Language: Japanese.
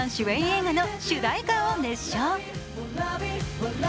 映画の主題歌を熱唱。